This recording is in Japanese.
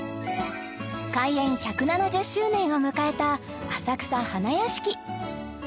開園１７０周年を迎えた浅草花やしき